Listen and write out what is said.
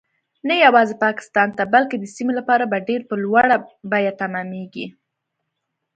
نه یوازې پاکستان ته بلکې د سیمې لپاره به ډیر په لوړه بیه تمامیږي